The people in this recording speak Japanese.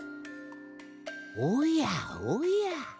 おやおや。